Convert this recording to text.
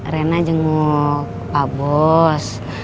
rena jenguk pak bos